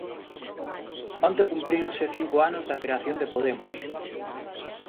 Onte cumpríronse cinco anos da creación de Podemos.